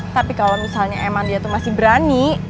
tapi kalau misalnya emang dia tuh masih berani